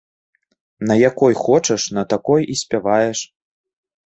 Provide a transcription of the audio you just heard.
На якой хочаш, на такой і спяваеш.